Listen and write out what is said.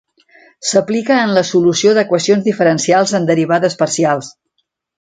S'aplica en la solució d'equacions diferencials en derivades parcials.